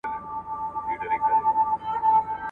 هم غښتلی ښکرور وو تر سیالانو `